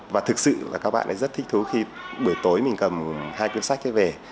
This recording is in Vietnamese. và thực sự là các bạn rất thích thú khi buổi tối mình cầm hai cuốn sách đấy về